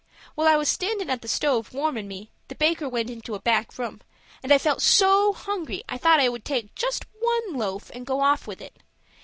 While I was standin' at the stove warmin' me, the baker went into a back room, and I felt so hungry I thought I would take just one loaf, and go off with it.